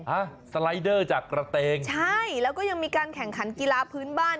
อ่ะสไลเดอร์จากกระเตงใช่แล้วก็ยังมีการแข่งขันกีฬาพื้นบ้าน